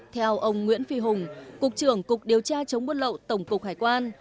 theo ông nguyễn phi hùng cục trưởng cục điều tra chống buôn lậu tổng cục hải quan